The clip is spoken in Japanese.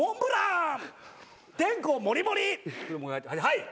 はい！